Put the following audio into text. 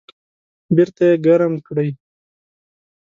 بیرته یې ګرم کړئ